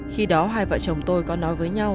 khi đó hai vợ chồng tôi có nói với nhau